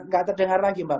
gak terdengar lagi mbak